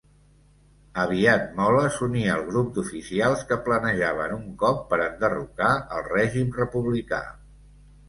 Aviat Mola s'uní al grup d'oficials que planejaven un cop per enderrocar el règim republicà.